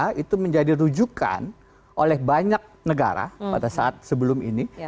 karena kpk itu menjadi rujukan oleh banyak negara pada saat sebelum ini